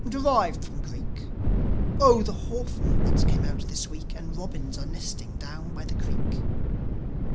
. Derived from Greek Oh, the hawthorn buds came out this week, And robins are nesting down by the creek.